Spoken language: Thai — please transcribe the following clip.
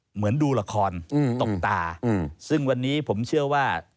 เหมือนดูละครตบตาซึ่งวันนี้ผมเชื่อว่า